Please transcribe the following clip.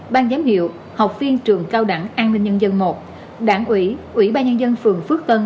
ban giám hiệu học viên trường cao đẳng an ninh nhân dân i đảng ủy ủy ba nhân dân phường phước tân